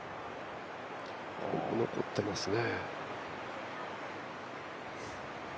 結構、残ってますね。